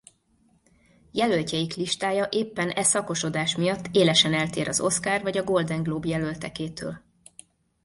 Jelöltjeik listája éppen e szakosodás miatt élesen eltér az Oscar- vagy a Golden Globe-jelöltekétől.